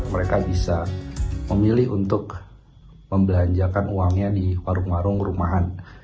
mereka bisa memilih untuk membelanjakan uangnya di warung warung rumahan